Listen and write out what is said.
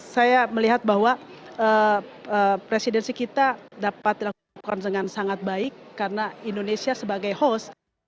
saya melihat bahwa presidensi kita dapat dilakukan dengan sangat baik karena indonesia sebagai host